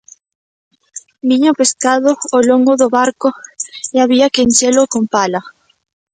Viña o pescado o longo do barco e había que enchelo con pala.